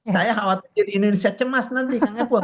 saya khawatir indonesia cemas nanti